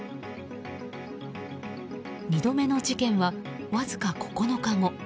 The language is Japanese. ２度目の事件は、わずか９日後。